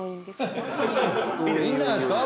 いいんじゃないですか？